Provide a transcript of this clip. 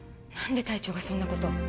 何で隊長がそんなこと？